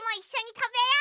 たべよう！